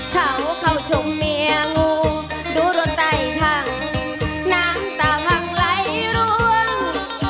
เขาเข้าชมเมียงูดูรถใต้พังน้ำตาพังไหลร่วง